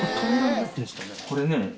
これね。